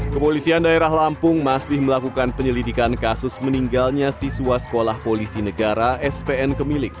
kepolisian daerah lampung masih melakukan penyelidikan kasus meninggalnya siswa sekolah polisi negara spn kemilik